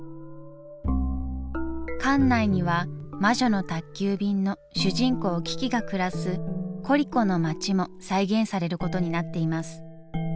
館内には「魔女の宅急便」の主人公キキが暮らすコリコの街も再現されることになっています。